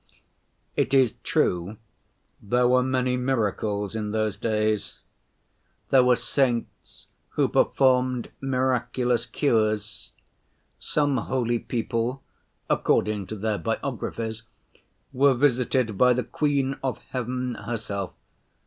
It is true there were many miracles in those days. There were saints who performed miraculous cures; some holy people, according to their biographies, were visited by the Queen of Heaven herself.